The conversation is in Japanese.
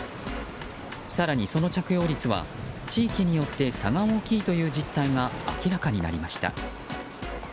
更に、その着用率は地域によって差が大きいという実態が明らかになりました。